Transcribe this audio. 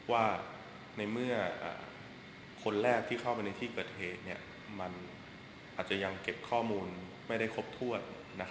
ว่าในเมื่อคนแรกที่เข้าไปในที่เกิดเหตุมันอาจจะยังเก็บข้อมูลไม่ได้ครบถ้วน